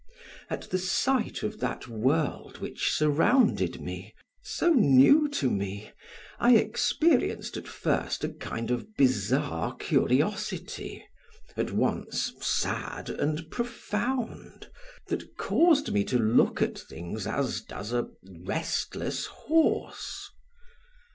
At the sight of that world which surrounded me, so new to me, I experienced at first a kind of bizarre curiosity, at once sad and profound, that caused me to look at things as does a restless horse.